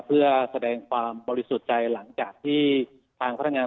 เพื่อแสดงความบริสุทธิ์ใจหลังจากที่ทางพนักงาน